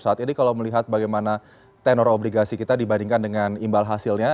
saat ini kalau melihat bagaimana tenor obligasi kita dibandingkan dengan imbal hasilnya